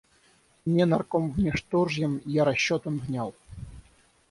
Не наркомвнешторжьим я расчетам внял.